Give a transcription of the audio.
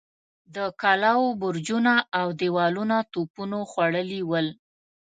د کلاوو برجونه اودېوالونه توپونو خوړلي ول.